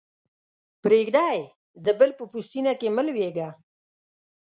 پرېږده يې؛ د بل په پوستينه کې مه لویېږه.